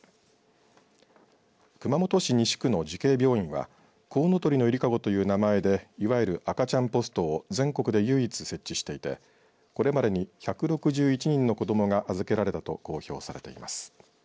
熊本市西区の慈恵病院はこうのとりのゆりかごという名前でいわゆる赤ちゃんポストを全国で唯一設置していてこれまでに１６１人の子どもが預けられたと公表されています。